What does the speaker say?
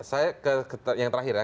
saya yang terakhir ya